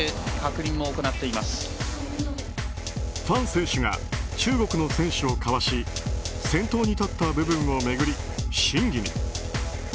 ファン選手が中国の選手をかわし先頭に立った部分を巡り審議に。